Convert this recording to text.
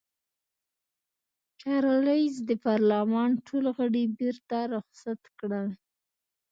چارلېز د پارلمان ټول غړي بېرته رخصت کړل.